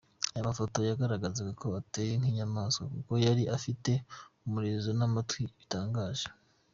Ayo mafoto yagaragazaga ko ateye nk’inyamaswa kuko yari afite umurizo n’amatwi bitangaje.